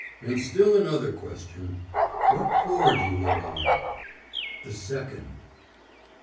And still another question: what floor do you live on?" "The second."